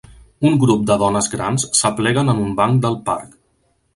Un grup de dones grans s'apleguen en un banc del parc.